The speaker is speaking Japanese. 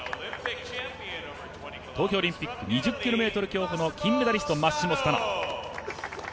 東京オリンピック２０ｋｍ競歩の金メダリストマッシモ・スタノ。